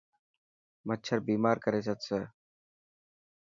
مڇر بيمار ڪري ڇڏسي.